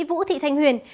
vũ thị thanh huyền